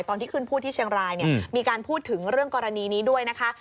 ตอนที่ขึ้นพูดที่เชียงรายเนี่ยมีการพูดถึงเรื่องกรณีนี้ด้วยนะคะ